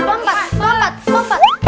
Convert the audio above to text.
pempat pempat pempat